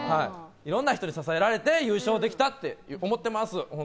いろんな人に支えられて優勝できたって思ってます。